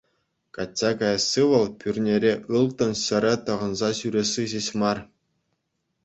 Качча каясси вӑл пӳрнере ылтӑн ҫӗрӗ тӑхӑнса ҫӳресси ҫеҫ мар.